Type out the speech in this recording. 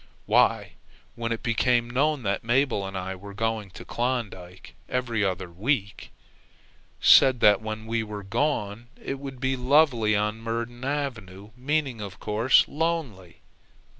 "Why, when it became known that Mabel and I were going to Klondike, EVERY OTHER WEEK said that when we were gone, it would be lovely on Myrdon Avenue, meaning, of course, lonely."